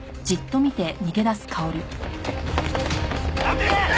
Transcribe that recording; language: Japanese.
待て！